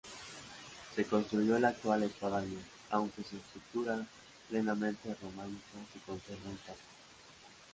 Se construyó la actual espadaña, aunque su estructura plenamente románica se conserva intacta.